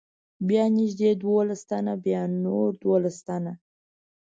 بیا نږدې دولس تنه، بیا نور دولس تنه.